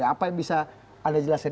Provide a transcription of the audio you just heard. apa yang bisa anda jelaskan